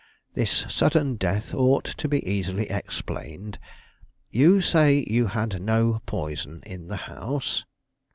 This sudden death ought to be easily explained. You say you had no poison in the house?"